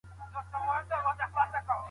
جګړو او وژنو خلګ ځورولي وو.